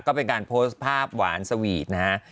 ก็เป็นการโพสต์ภาพหวานสวีทนะฮะ